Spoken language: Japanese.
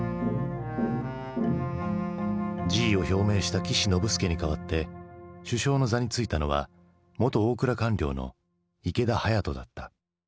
辞意を表明した岸信介に代わって首相の座についたのは元大蔵官僚の池田勇人だった。